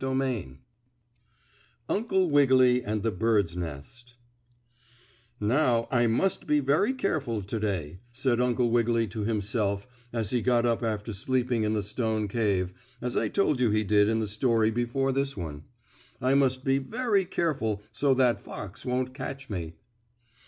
STORY II UNCLE WIGGILY AND THE BIRD'S NEST "Now, I must be very careful to day," said Uncle Wiggily to himself as he got up after sleeping in the stone cave, as I told you he did in the story before this one. "I must be very careful so that fox won't catch me."